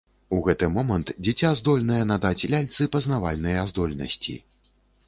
У гэты момант дзіця здольнае надаць ляльцы пазнавальныя здольнасці.